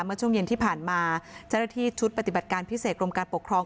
เมื่อช่วงเย็นที่ผ่านมาเจ้าหน้าที่ชุดปฏิบัติการพิเศษกรมการปกครอง